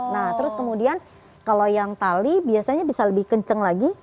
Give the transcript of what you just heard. nah terus kemudian kalau yang tali biasanya bisa lebih kenceng lagi